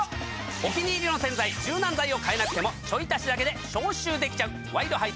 お気に入りの洗剤柔軟剤を変えなくてもちょい足しだけで消臭できちゃう。